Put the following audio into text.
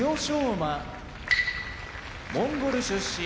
玉鷲モンゴル出身